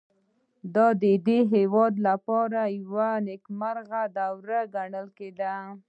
دا د دې هېواد لپاره یوه نېکمرغه دوره ګڼل کېده.